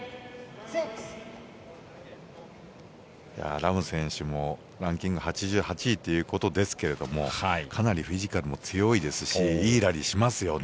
ラム選手もランキング８８位ということですけれどもかなりフィジカルも強いですしいいラリーをしますよね。